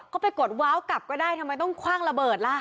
ก็ไปกดว้าวกลับก็ได้ทำไมต้องคว่างระเบิดล่ะ